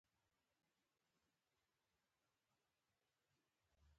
ځکه اسامه بن لادن ته یې پناه ورکړې وه.